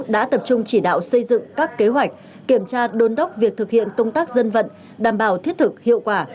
đã tập trung chỉ đạo xây dựng các kế hoạch kiểm tra đôn đốc việc thực hiện công tác dân vận đảm bảo thiết thực hiệu quả